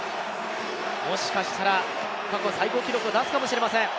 もしかしたら、過去最高記録を出すかもしれません。